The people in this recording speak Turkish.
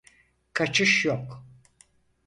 Kaçış yok.